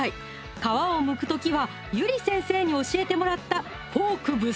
皮をむく時はゆり先生に教えてもらったフォークぶっ